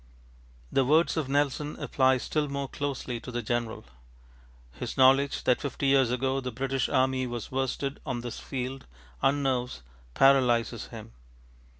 The words of Nelson apply still more closely to the general. His knowledge that fifty years ago the British army was worsted on this field, unnerves, paralyses him.